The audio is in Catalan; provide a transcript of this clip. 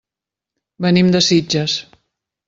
Venim de Sitges.